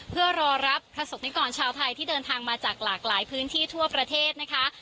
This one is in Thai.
เพื่อรอรับประสบนิกรชาวไทยที่เดินทางมาจากหลากหลายพื้นที่ทั่วประเทศนะคะ